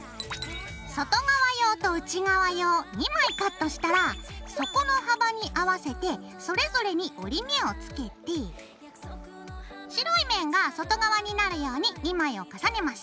外側用と内側用２枚カットしたら底の幅に合わせてそれぞれに折り目をつけて白い面が外側になるように２枚を重ねます。